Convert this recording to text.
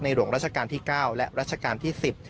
หลวงราชการที่๙และรัชกาลที่๑๐